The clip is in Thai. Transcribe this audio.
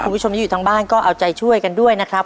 คุณผู้ชมที่อยู่ทางบ้านก็เอาใจช่วยกันด้วยนะครับ